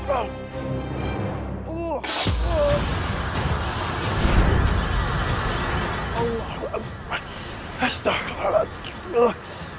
allahul abma astagfirullah